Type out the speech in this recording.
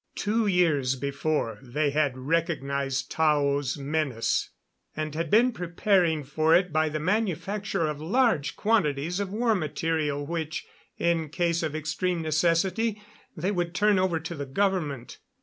Two years before they had recognized Tao's menace, and had been preparing for it by the manufacture of large quantities of war material which, in case of extreme necessity, they would turn over to the government.